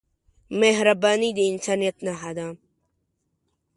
مهرباني د انسانیت نښه ده.